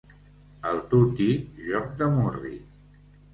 El tuti, joc de murri.